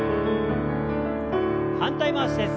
反対回しです。